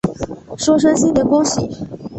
说声新年恭喜